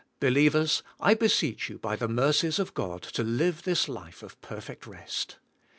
Believers, I beseech you by the mercies of God to live this life of perfect rest.